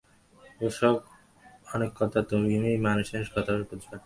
ও-সব অনেক কথা, তুমি মেয়েমানুষ সে-সব বুঝবে না।